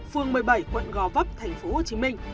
phường một mươi bảy quận gò vấp tp hcm